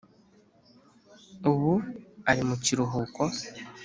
Ubu ari mu kiruhuko